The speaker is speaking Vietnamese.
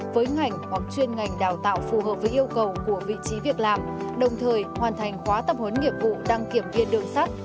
với ngành hoặc chuyên ngành đào tạo phù hợp với yêu cầu của vị trí việc làm đồng thời hoàn thành khóa tập huấn nghiệp vụ đăng kiểm viên đường sắt